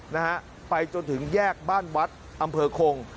นะฮะไปจนถึงแยกบ้านวัดอำเภอคง